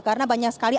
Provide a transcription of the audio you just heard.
karena banyak sekali